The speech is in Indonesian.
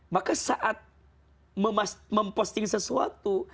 maka saat memposting sesuatu